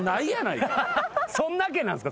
そんなけなんですか？